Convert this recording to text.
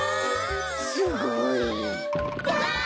すごい。わ！